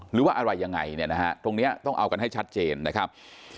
หรือว่าอะไรยังไงเนี่ยนะฮะตรงนี้ต้องเอากันให้ชัดเจนนะครับ